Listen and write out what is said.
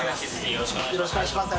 よろしくお願いします